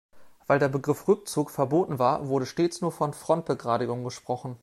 Weil der Begriff Rückzug verboten war, wurde stets nur von Frontbegradigung gesprochen.